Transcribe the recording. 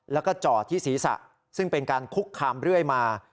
แล้วก็จอดที่ศีรษะซึ่งเป็นการคุกคามเรื่อยมา